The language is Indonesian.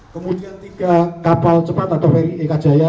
kemudian tiga kapal cepat atau ferry eka jaya